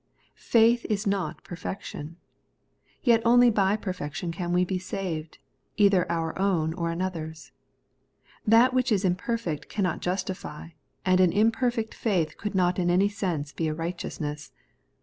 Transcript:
Faith is not perfection. Yet only by perfection can wo be saved ; either our own or another's. That which is imperfect cannot justify, and an imperfect faith could not in any sense be a righteousness.